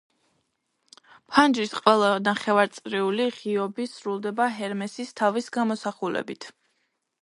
ფანჯრის ყველა ნახევარწრიული ღიობი სრულდება ჰერმესის თავის გამოსახულებით.